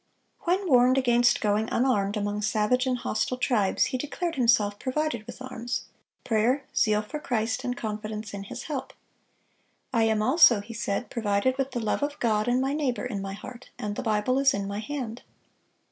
When warned against going unarmed among savage and hostile tribes, he declared himself "provided with arms,"—"prayer, zeal for Christ, and confidence in His help." "I am also," he said, "provided with the love of God and my neighbor in my heart, and the Bible is in my hand."